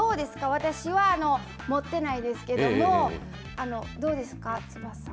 私は持ってないですけどもどうですか翼さん。